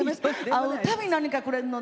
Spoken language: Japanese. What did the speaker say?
会う度に何かくれるの。